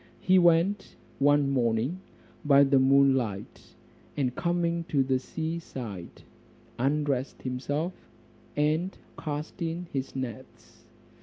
He went one morning by moon light, and coming to the seaside, undressed himself, and cast in his nets.